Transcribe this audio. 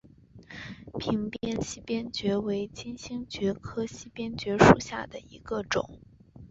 屏边溪边蕨为金星蕨科溪边蕨属下的一个种。